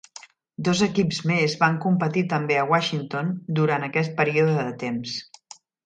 Dos equips més van competir també a Washington durant aquest període de temps.